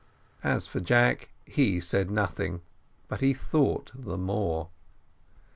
As for Jack, he said nothing, but he thought the more.